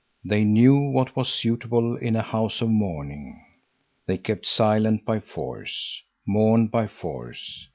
They knew what was suitable in a house of mourning. They kept silent by force, mourned by force.